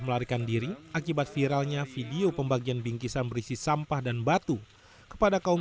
melarikan diri akibat viralnya video pembagian bingkisan berisi sampah dan batu kepada kaum